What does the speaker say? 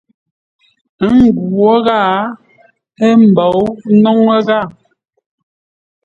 Ə́ nghwó ghâa, ə́ mbôu nóŋə́ ghâa.